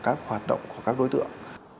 các hoạt động của các đối tượng